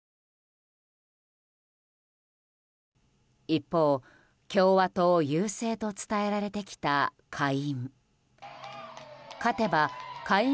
一方、共和党優勢と伝えられてきた下院。